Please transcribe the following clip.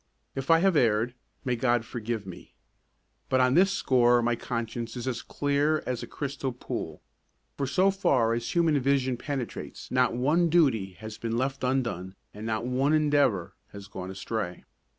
If I have erred, may God forgive me; but on this score my conscience is as clear as a crystal pool, for so far as human vision penetrates not one duty has been left undone and not one endeavour has gone astray.